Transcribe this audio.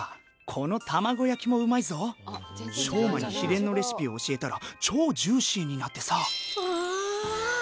この卵焼きもうまいぞ晶馬に秘伝のレシピを教えたら超ジューシーになってさうわ